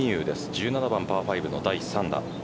１７番パー５の第３打。